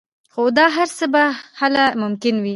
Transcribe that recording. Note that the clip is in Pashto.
خو دا هر څه به هله ممکن وي